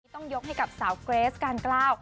ต้องยกให้กับสาวเกรสการกล้า